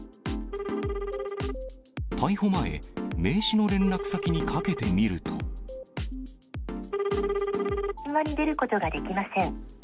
逮捕前、名刺の連絡先にかけてみ電話に出ることができません。